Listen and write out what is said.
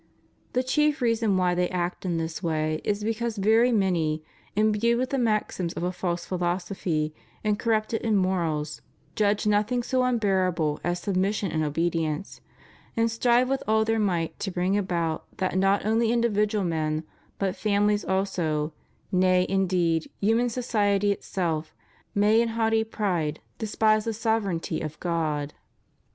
The chief reason why they act in this way is because very many, imbued with the maxims of a false philosophy and corrupted in morals, judge nothing so unbearable as submission and obedience; and strive with all their might to bring about that not only individual men, but families also, nay indeed, human society itself, may in haughty pride despise the sovereignty of God.